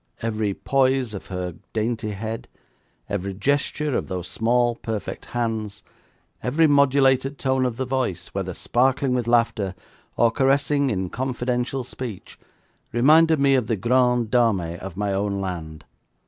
Every poise of her dainty head; every gesture of those small, perfect hands; every modulated tone of the voice, whether sparkling with laughter or caressing in confidential speech, reminded me of the grandes dames of my own land.